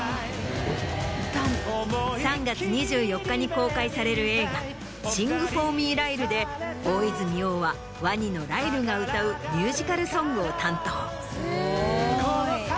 ３月２４日に公開される映画『シング・フォー・ミー、ライル』で大泉洋はワニのライルが歌うミュージカルソングを担当。